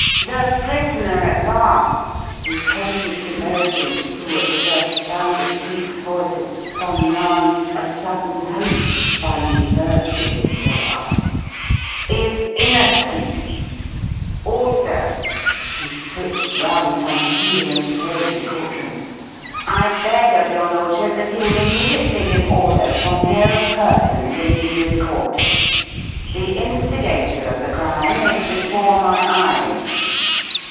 "The prisoner at bar " He pointed to Merriton, who at the first sound of Cleek's voice had spun round, a sudden hope finding birth in his dull eyes, "is innocent! I have absolute proof. Also " He switched round upon his heel and surveyed the court room, "I beg of your Lordship that you will immediately give orders for no person to leave this court. The instigator of the crime is before my eyes.